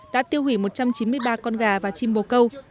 đã tiêu hủy một trăm chín mươi ba con gà và chim bồ câu